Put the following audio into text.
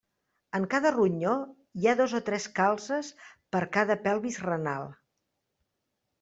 En cada ronyó hi ha dos o tres calzes per cada pelvis renal.